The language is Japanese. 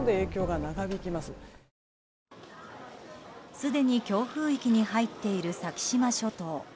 すでに強風域に入っている先島諸島。